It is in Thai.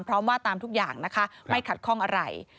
ว่าตามทุกอย่างนะคะไม่ขัดข้องอะไร